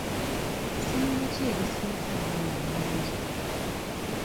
Ssomero ki erisinza abaana abangi?